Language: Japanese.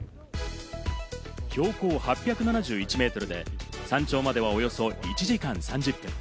標高８７１ｍで、山頂までは、およそ１時間３０分。